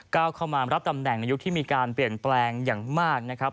เข้ามารับตำแหน่งในยุคที่มีการเปลี่ยนแปลงอย่างมากนะครับ